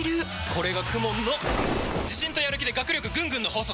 これがＫＵＭＯＮの自信とやる気で学力ぐんぐんの法則！